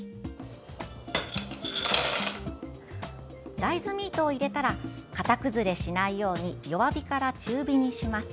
大豆ミートを入れたら型崩れしないように弱火から中火にします。